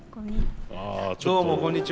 どうもこんにちは。